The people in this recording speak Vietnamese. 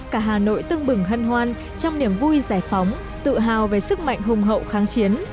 cả hà nội tưng bừng hân hoan trong niềm vui giải phóng tự hào về sức mạnh hùng hậu kháng chiến